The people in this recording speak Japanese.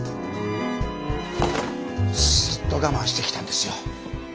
ずっと我慢してきたんですよ。